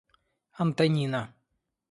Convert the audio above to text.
Антонина